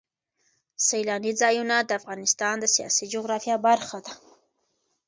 سیلانی ځایونه د افغانستان د سیاسي جغرافیه برخه ده.